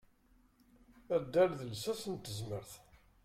Addal d lsas n tezmert.